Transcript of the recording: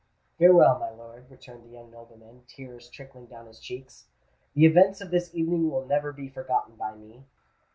"Farewell, my lord," returned the young nobleman, tears trickling down his cheeks: "the events of this evening will never be forgotten by me.